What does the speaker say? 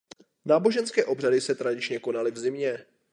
Náboženské obřady se tradičně konaly v zimě.